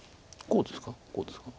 こうですか？